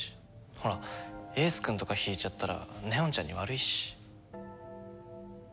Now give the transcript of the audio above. ほら英寿くんとか引いちゃったら祢音ちゃんに悪いし。